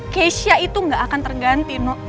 keisha itu gak akan terganti